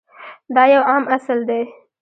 دا یو عام اصل دی.